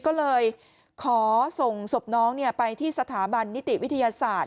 ก็เลยขอส่งศพน้องไปที่สถาบันนิติวิทยาศาสตร์